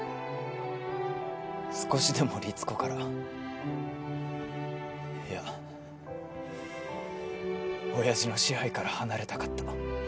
少しでもリツコからいや親父の支配から離れたかった。